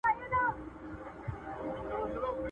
څوک به زما په مرګ خواشینی څوک به ښاد وي؟!.